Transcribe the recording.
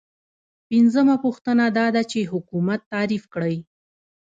پنځمه پوښتنه دا ده چې حکومت تعریف کړئ.